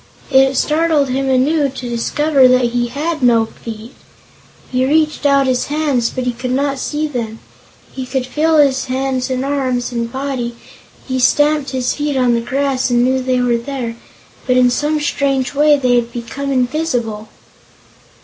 It startled him anew to discover that he had no feet. He reached out his hands, but he could not see them. He could feel his hands and arms and body; he stamped his feet on the grass and knew they were there, but in some strange way they had become invisible.